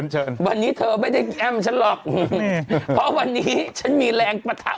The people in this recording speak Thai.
หนะหนุ่มนะวันนี้ฉันมีแรงนะ